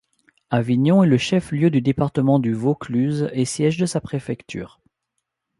Avignon est le chef-lieu du département du Vaucluse et siège de sa préfecture.